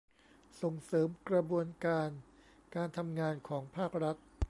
ส่งเสริมกระบวนการการทำงานของภาครัฐ